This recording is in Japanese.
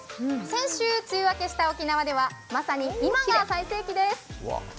先週、梅雨明けした沖縄ではまさに今が最盛期です。